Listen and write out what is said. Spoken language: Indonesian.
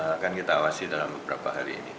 akan kita awasi dalam beberapa hari ini